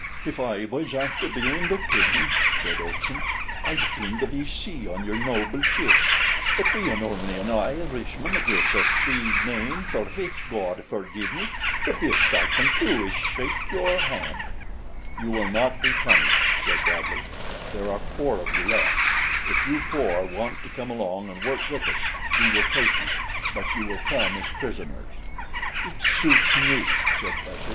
"If I was after bein' the king," said Olson, "I'd pin the V.C. on your noble chist; but bein' only an Irishman with a Swede name, for which God forgive me, the bist I can do is shake your hand." "You will not be punished," said Bradley. "There are four of you left if you four want to come along and work with us, we will take you; but you will come as prisoners." "It suits me," said Plesser.